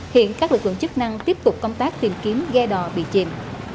hiện các lực lượng chức năng tiếp tục công tác tìm kiếm ghe đò bị chìm